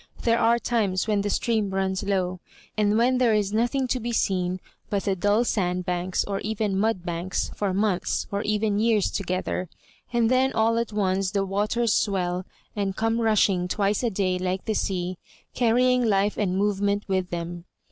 There are times when the stream runs low, and when there is nothing to be seen but the dull sandbanks, or even mudbanks, for months, or even years toge ther ; and then all at once the waters swell, and come rushing twice a day like the sea, carrying life and movement with them.